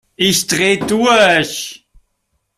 Ich dreh durch!